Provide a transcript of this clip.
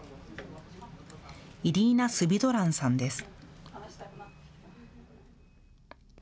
イリーナ・スヴィドランさんです。